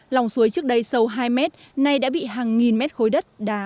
lòng suối trước đây sâu hai mét nay đã bị hàng nghìn mét khối đất đá